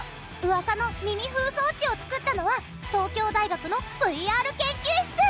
噂の耳フー装置を作ったのは東京大学のＶＲ研究室！